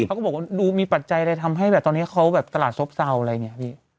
เขาก็บอกว่าดูมีปัจจัยอะไรทำให้แบบตอนนี้เขาแบบตลาดซบเศร้าอะไรอย่างนี้พี่